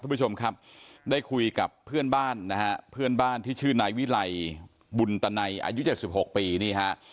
คุณผู้ชมครับได้คุยกับเพื่อนบ้านนะฮะเพื่อนบ้านที่ชื่อนายวิไลบุญตนัยอายุ๗๖ปีนี่ฮะ